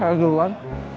kalau gitu saya duluan